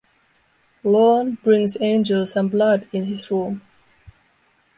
Lorne brings Angel some blood in his room.